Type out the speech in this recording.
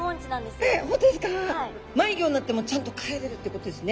迷子になってもちゃんと帰れるってことですね